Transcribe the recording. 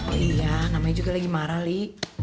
oh iya namanya juga lagi marah nih